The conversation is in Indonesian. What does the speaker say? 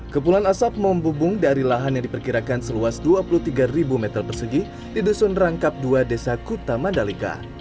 kepulan asap membubung dari lahan yang diperkirakan seluas dua puluh tiga meter persegi di dusun rangkap dua desa kuta mandalika